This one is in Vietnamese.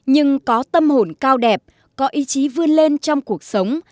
nhưng có tâm hồn cao đẹp có ý chí vươn lên trong cuộc sống